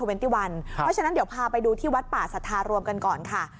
เพราะฉะนั้นเดี๋ยวพาไปดูที่วัดป่าสัทธารวมกันก่อนค่ะ